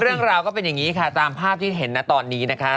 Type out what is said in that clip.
เรื่องราวก็เป็นอย่างนี้ค่ะตามภาพที่เห็นนะตอนนี้นะคะ